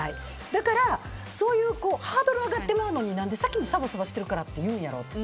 だから、ハードルが上がってまうのに、なんで先にサバサバしてるからって言うんやろうって。